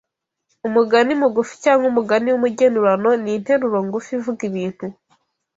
Umugani mugufi cyangwa umugani w’umugenurano ni interuro ngufi ivuga ibintu